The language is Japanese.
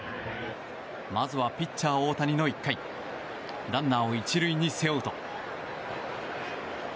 まずはピッチャー大谷の１回ランナーを１塁に背負うと。